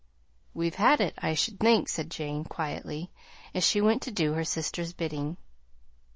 "We've had it, I should think," said Jane quietly, as she went to do her sister's bidding.